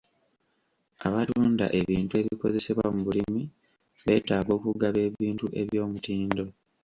Abatunda ebintu ebikozesebwa mu bulimi beetaaga okugaba ebintu eby'omutindo.